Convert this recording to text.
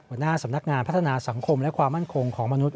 หัวหน้าสำนักงานพัฒนาสังคมและความมั่นคงของมนุษย